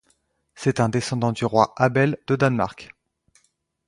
C'est un descendant du roi Abel de Danemark.